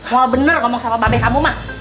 mau bener ngomong sama mbak be kamu mah